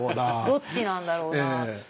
どっちなんだろうな。